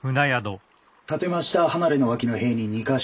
建て増した離れの脇の塀に２か所